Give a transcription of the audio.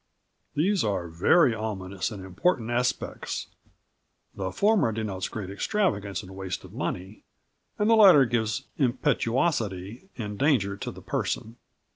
These are very ominous and important aspects. The former denotes great extravagance, and waste of money, and the latter gives impetuosity, and danger to the person."